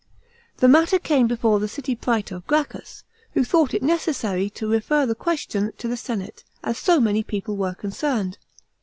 The matter came before the ciiy praetor Gracchus, who thought it necessary to refer the question to the senate, as so many people were concerned.